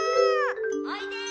・おいで！